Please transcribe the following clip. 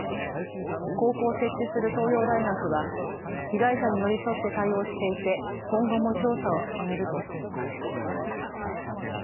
高校を設置する東洋大学は被害者に寄り添って対応していて今後も調査を進めるとしています。